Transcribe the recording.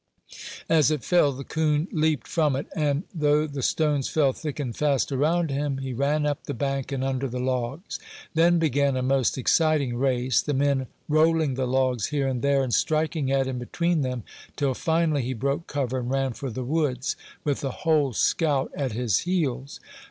As it fell, the coon leaped from it; and though the stones fell thick and fast around him, he ran up the bank and under the logs. Then began a most exciting race, the men rolling the logs here and there, and striking at him between them, till finally he broke cover, and ran for the woods, with the whole scout at his heels.